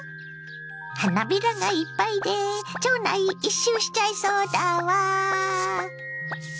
花びらがいっぱいで町内一周しちゃいそうだわ。